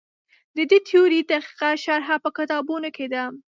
د دې تیورۍ دقیقه شرحه په کتابونو کې ده.